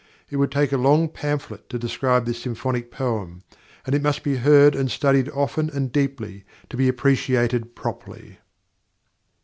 It would take a long pamphlet to describe this symphonic poem, and it must be heard and studied often and deeply to be appreciated properly.